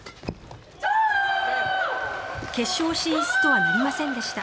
決勝進出とはなりませんでした。